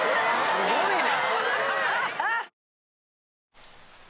すごいな。